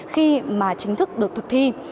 khi mà chính thức được thực thi